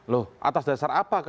loh atas dasar apa